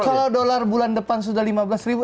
kalau dolar bulan depan sudah lima belas ribu